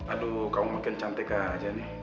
aduh kamu makin cantik aja nih